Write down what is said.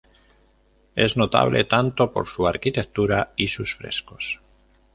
Es notable tanto por su arquitectura y sus frescos.